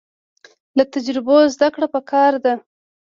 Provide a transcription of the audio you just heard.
له تجربو زده کړه پکار ده